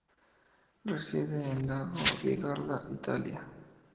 Reside en Lago di Garda, Italia.